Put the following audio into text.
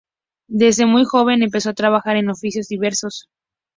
Desde muy joven empezó a trabajar en oficios diversos.